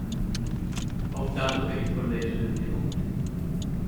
Ha optato per il collegio del Piemonte.